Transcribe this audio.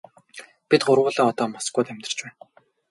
Бид гурвуулаа одоо Москвад амьдарч байна.